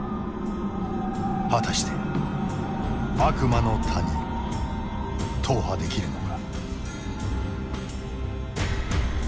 果たして悪魔の谷踏破できるのか？